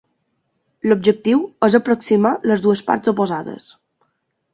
L'objectiu és aproximar les dues parts oposades.